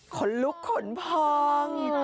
ขนลุกขนพอง